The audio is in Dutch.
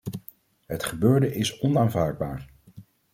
Het gebeurde is onaanvaardbaar.